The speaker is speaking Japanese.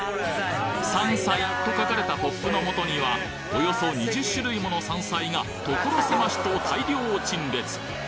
山菜と書かれたポップのもとにはおよそ２０種類もの山菜が所狭しと大量陳列！